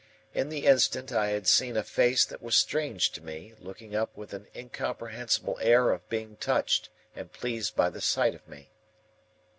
In the instant, I had seen a face that was strange to me, looking up with an incomprehensible air of being touched and pleased by the sight of me.